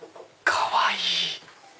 かわいい！